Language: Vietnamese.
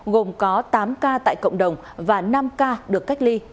gồm có tám ca tại cộng đồng và năm ca được cách ly